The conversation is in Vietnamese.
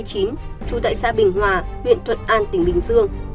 trú tại xã bình hòa huyện thuận an tỉnh bình dương